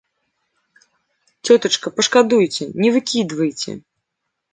Цётачка, пашкадуйце, не выкідайце.